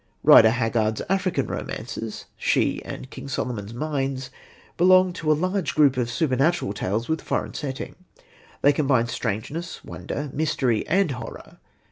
Rider Haggard's African romances, She and King Solomon's Mines, belong to a large group of supernatural tales with a foreign setting. They combine strangeness, wonder, mystery and horror.